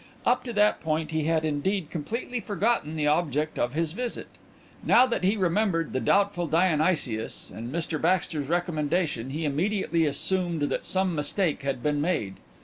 Up to that point he had, indeed, completely forgotten the object of his visit. Now that he remembered the doubtful Dionysius and Mr Baxter's recommendation he immediately assumed that some mistake had been made.